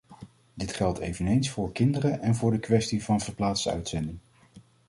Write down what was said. Dit geldt eveneens voor kinderen en voor de kwestie van verplaatste uitzending.